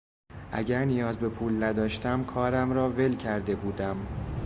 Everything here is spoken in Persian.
اگر نیاز به پول نداشتم کارم را ول کرده بودم.